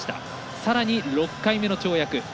さらに６回目の跳躍。